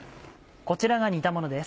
こちらが煮たものです。